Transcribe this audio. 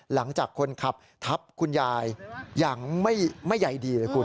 หลังจากคนขับทับคุณยายอย่างไม่ใยดีเลยคุณ